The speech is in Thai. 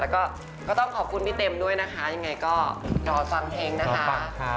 แล้วก็ก็ต้องขอบคุณพี่เต็มด้วยนะคะยังไงก็รอฟังเพลงนะคะ